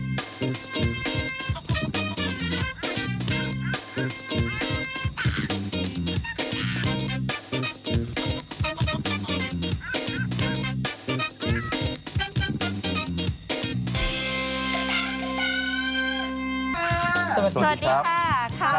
ไอลูกหมาถูกเล่นโรงพยาบาลแนบยังไง